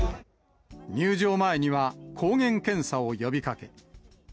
入場前には抗原検査を呼びかけ。